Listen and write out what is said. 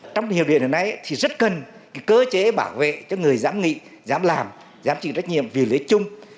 trong hiệu điện hồi nãy thì rất cần cơ chế bảo vệ cho người dám nghị dám làm dám trình trách nhiệm vì lý chung